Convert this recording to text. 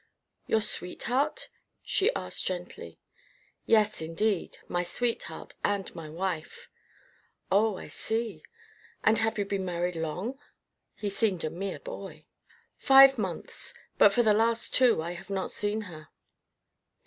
"Your sweetheart?" she asked gently. "Yes, indeed; my sweetheart and my wife." "Oh, I see. And have you been married long?" He seemed a mere boy. "Five months, but for the last two I have not seen her."